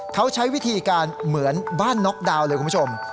เขาใช้วิธีการเหมือนบ้านน็อกดาวน์เลยคุณผู้ชม